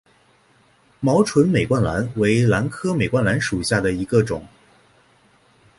毛唇美冠兰为兰科美冠兰属下的一个种。